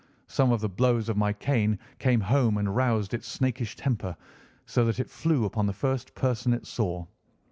Some of the blows of my cane came home and roused its snakish temper, so that it flew upon the first person it saw.